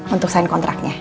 untuk sign kontraknya